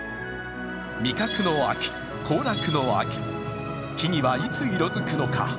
味覚の秋、行楽の秋木にはいつ色づくのか。